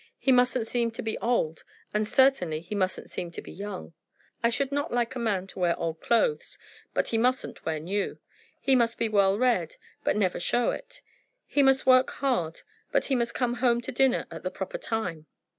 He mustn't seem to be old, and certainly he mustn't seem to be young. I should not like a man to wear old clothes, but he mustn't wear new. He must be well read, but never show it. He must work hard, but he must come home to dinner at the proper time."